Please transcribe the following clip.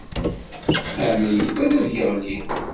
Meɛna yugad ad yeɣli.